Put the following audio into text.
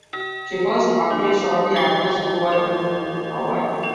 She first appeared shortly after Superboy moved to Hawaii.